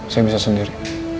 saya bisa sendiri